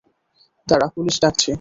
দাঁড়া, পুলিশ ডাকছি।